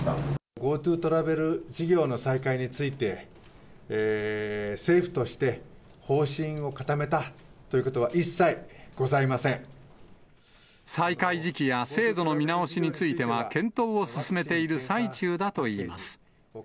ＧｏＴｏトラベル事業の再開について、政府として方針を固めたということは一切ございませ再開時期や制度の見直しについては、検討を進めている最中だといいます。